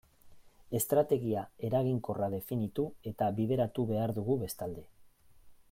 Estrategia eraginkorra definitu eta bideratu behar dugu bestalde.